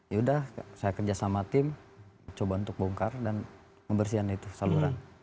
yaudah saya kerja sama tim coba untuk bongkar dan membersihkan itu saluran